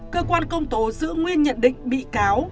cơ quan công tố giữ nguyên nhận định bị cáo